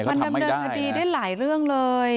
มันดำเนินคดีได้หลายเรื่องเลย